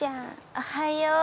おはよう。